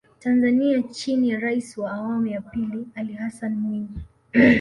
Tanzania chini ya Rais wa awamu ya pili Ali Hassan Mwinyi